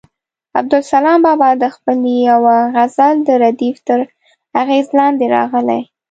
عبدالسلام بابا د خپل یوه غزل د ردیف تر اغېز لاندې راغلی.